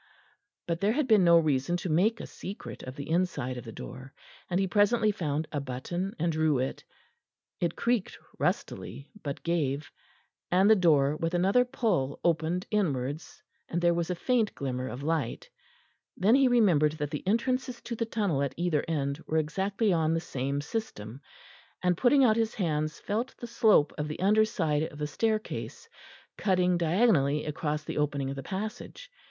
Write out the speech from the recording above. But there had been no reason to make a secret of the inside of the door, and he presently found a button and drew it; it creaked rustily, but gave, and the door with another pull opened inwards, and there was a faint glimmer of light. Then he remembered that the entrances to the tunnel at either end were exactly on the same system; and putting out his hands felt the slope of the underside of the staircase, cutting diagonally across the opening of the passage.